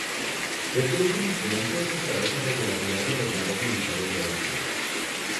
Este último instrumento es empleado con regularidad en el bandas militares de Austria".